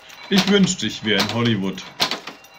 Ich wünschte, ich wäre in Hollywood.